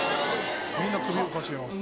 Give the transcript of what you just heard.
みんな首をかしげます。